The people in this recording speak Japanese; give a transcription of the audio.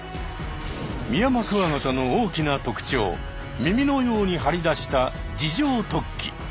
ミヤマクワガタの大きな特徴耳のように張り出した耳状突起。